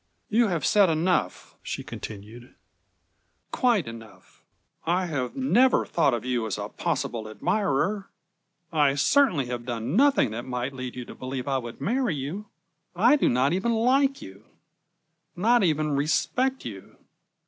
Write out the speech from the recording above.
"You have said enough," she continued; "quite enough. I have never thought of you as a possible admirer. I certainly have done nothing that might lead you to believe I would marry you. I do not even like you not even respect you.